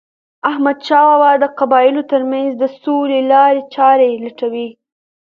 احمدشاه بابا د قبایلو ترمنځ د سولې لارې چارې لټولې.